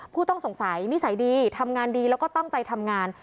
ผู้ต้องสงสัยนิสัยดีทำงานดีแล้วก็ตั้งใจทำงาน